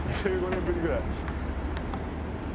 １５年ぶりぐらい。